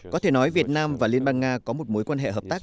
có thể nói việt nam và liên bang nga có một mối quan hệ hợp tác